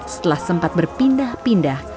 setelah sempat berpindah pindah